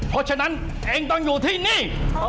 เพราะฉะนั้นเองต้องอยู่ที่นี่